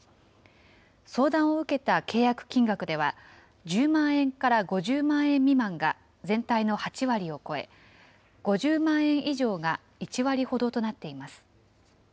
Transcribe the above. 相談を受けた契約金額では、１０万円から５０万円未満が全体の８割を超え、５０万円以上が１割ほどとなっています。